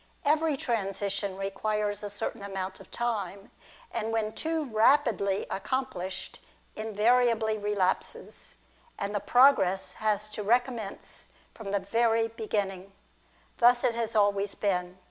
Every transition requires a certain amount of time, and when too rapidly accom plished, invariably relapses, and the progress has to recommence from the very beginning. Thus it has always been.